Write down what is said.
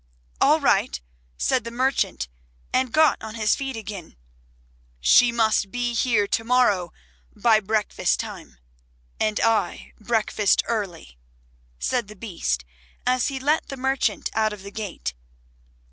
"All right," said the merchant and got on his feet again. "She must be here to morrow by breakfast time, and I breakfast early," said the Beast, as he let the merchant out of the gate.